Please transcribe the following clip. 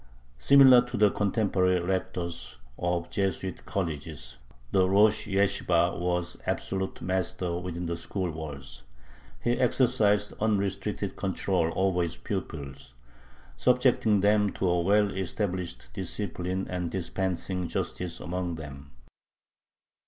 Similar to the contemporary rectors of Jesuit colleges, the rosh yeshibah was absolute master within the school walls; he exercised unrestricted control over his pupils, subjecting them to a well established discipline and dispensing justice among them.